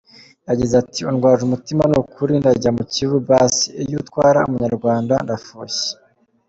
Yagize ati "Undwaje umutima nukuri ndajya mu Kivu basi iyo utwara umunyarwanda ndafushye".